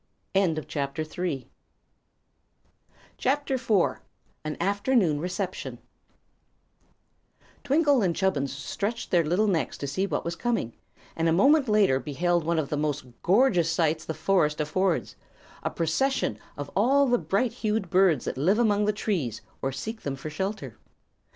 [CHAPTER IV] An Afternoon Reception Twinkle and Chubbins stretched their little necks to see what was coming, and a moment later beheld one of the most gorgeous sights the forest affords a procession of all the bright hued birds that live among the trees or seek them for shelter.